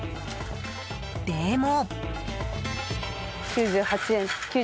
でも。